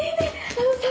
あのさ